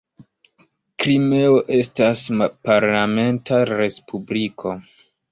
Krimeo estas parlamenta respubliko.